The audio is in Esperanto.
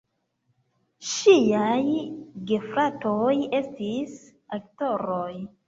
Ŝiaj gefratoj estis aktoroj.